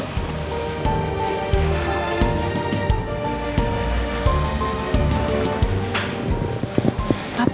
isi irhad hati ya papa